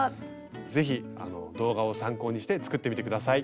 是非動画を参考にして作ってみて下さい。